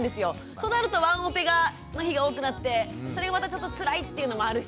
となるとワンオペの日が多くなってそれがまたちょっとつらいっていうのもあるし。